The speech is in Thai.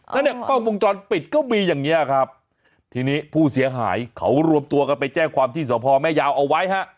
แล้วเนี่ยกล้องวงจรปิดก็มีอย่างเงี้ยครับทีนี้ผู้เสียหายเขารวมตัวกันไปแจ้งความที่สพแม่ยาวเอาไว้ฮะ